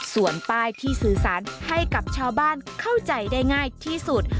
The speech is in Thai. ส่วนป้ายที่สื่อสารให้กับชาวบ้านเข้าใจได้ง่ายที่สุด